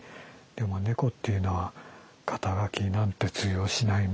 でも猫っていうのは肩書なんて通用しないままで生きている。